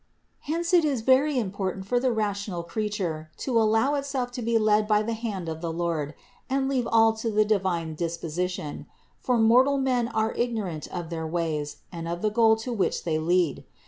385. Hence it is very important for the rational crea ture to allow itself to be led by the hand of the Lord and leave all to the divine disposition; for mortal men are ignorant of their ways and of the goal to which they lead.